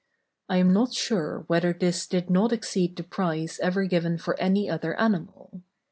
I am not sure whether this did not exceed the price ever given for any other animal.